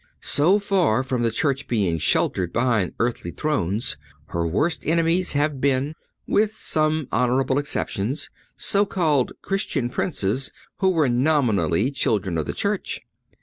So far from the Church being sheltered behind earthly thrones, her worst enemies have been, with some honorable exceptions, so called Christian Princes who were nominal children of the Church.